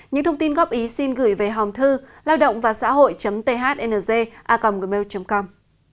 những thông tin góp ý xin gửi về hòm thư laodongvasahoi thng acomgmail com